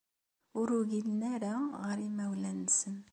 Ur ugilen ara ɣer yimawlan-nsen.